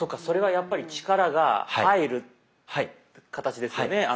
それはやっぱり力が入る形ですよね。